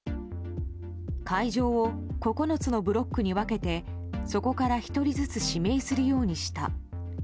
会場を９つのブロックに分けてそこから１人ずつ指名するようにした。